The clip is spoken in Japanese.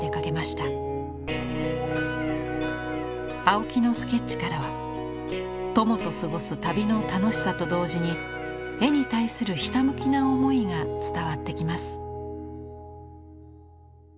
青木のスケッチからは友と過ごす旅の楽しさと同時に絵に対するひたむきな思いが伝わってきます。